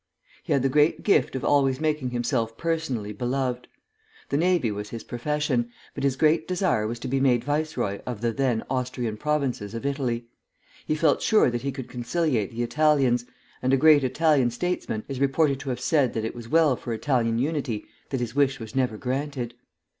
He had the great gift of always making himself personally beloved. The navy was his profession, but his great desire was to be made viceroy of the (then) Austrian provinces of Italy. He felt sure that he could conciliate the Italians, and a great Italian statesman is reported to have said that it was well for Italian unity that his wish was never granted.